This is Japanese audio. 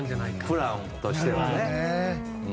プランとしてね。